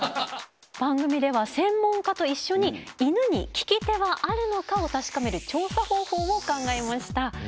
番組では専門家といっしょに「イヌに利き手はあるのか」を確かめる調査方法を考えました。